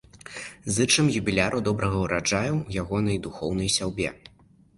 Зычым юбіляру добрага ўраджаю ў яго духоўнай сяўбе!